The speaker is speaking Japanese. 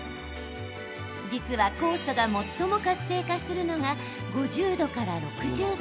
実は、酵素が最も活性化するのが５０度から６０度。